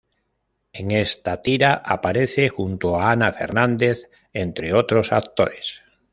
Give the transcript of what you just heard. En esta tira aparece junto a Ana Fernández entre otros actores.